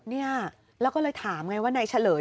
เนี่ยแล้วก็เลยถามไงว่านายเฉลย